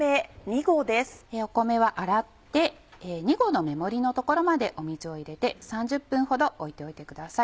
米は洗って２合の目盛りの所まで水を入れて３０分ほど置いておいてください。